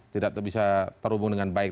tidak bisa terhubung dengan baik